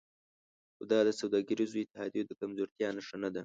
خو دا د سوداګریزو اتحادیو د کمزورتیا نښه نه ده